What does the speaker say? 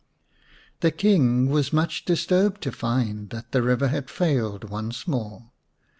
The King was much disturbed to find that the river had failed once more.